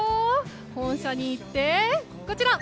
本社に行ってこちら。